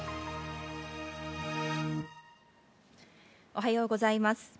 おはようございます。